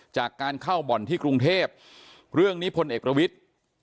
จากการเข้าบ่อนที่กรุงเทพฯเรื่องนิพนศ์เอกรวิทย์